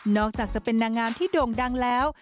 อกจากจะเป็นนางงามที่โด่งดังแล้ว